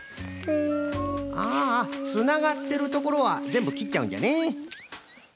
ああつながってるところはぜんぶきっちゃうんじゃね。